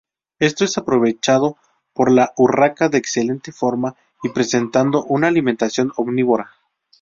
Esto es aprovechado por la urraca de excelente forma y presentando una alimentación omnívora.